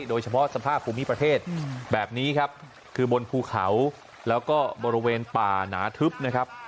โดยเฉพาะสภาพภูมิประเทศแบบนี้ครับคือบนภูเขาแล้วก็บริเวณป่าหนาทึบนะครับ